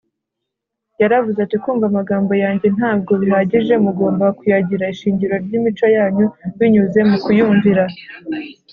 yaravuze ati kumva amagambo yanjye ntabwo bihagije mugomba kuyagira ishingiro ry’imico yanyu binyuze mu kuyumvira